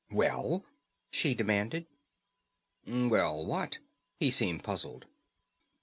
"Well?" she demanded. "Well what?" He seemed puzzled.